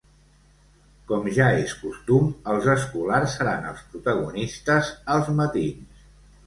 Com ja és costum, els escolars seran els protagonistes als matins.